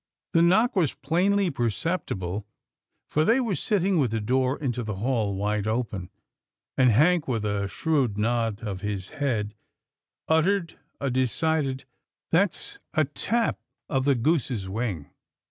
The knock was plainly perceptible, for they were sitting with the door into the hall wide open, and Hank with a shrewd nod of his head, uttered a decided, " That's a tap of the goose's wing."